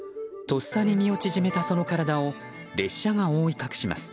とっさに身を縮めたその体を列車が覆い隠します。